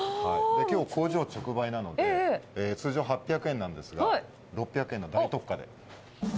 きょう工場直売なので、通常８００円なんですが、６００円の大特価で。